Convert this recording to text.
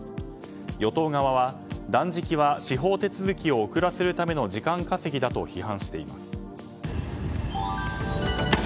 与党側は断食は司法手続きを遅らせるための時間稼ぎだと批判しています。